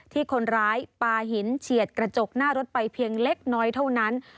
ที่คนร้ายปลาหินเฉียดกระจกหน้ารถไปเพียงเล็กน้อยเท่านั้น